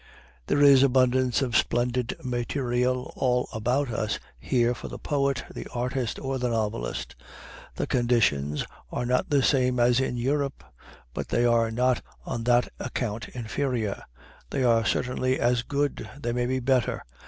There is abundance of splendid material all about us here for the poet, the artist, or the novelist. The conditions are not the same as in Europe, but they are not on that account inferior. They are certainly as good. They may be better.